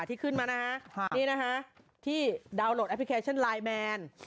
ที่ขึ้นมานะฮะนี่นะคะที่ดาวน์โหลดแอปพลิเคชันไลน์แมน